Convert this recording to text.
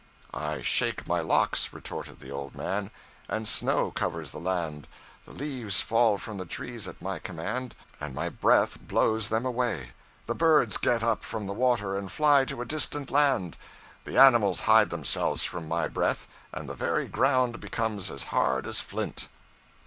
'I shake my locks,' retorted the old man, 'and snow covers the land. The leaves fall from the trees at my command, and my breath blows them away. The birds get up from the water, and fly to a distant land. The animals hide themselves from my breath, and the very ground becomes as hard as flint.'